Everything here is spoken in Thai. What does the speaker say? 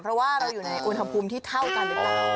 เพราะว่าเราอยู่ในอุณหภูมิที่เท่ากัน